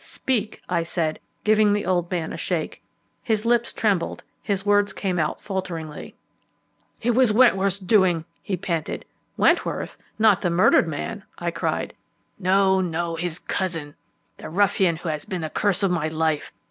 "Speak," I said, giving the old man a shake. His lips trembled, his words came out falteringly. "It was Wentworth's doing," he panted. "Wentworth? Not the murdered man?" I cried. "No, no, his cousin. The ruffian who has been the curse of my life.